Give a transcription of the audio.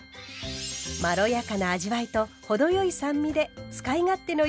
まろやかな味わいと程よい酸味で使い勝手のよいたれです。